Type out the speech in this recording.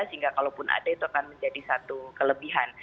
sehingga kalau pun ada itu akan menjadi satu kelebihan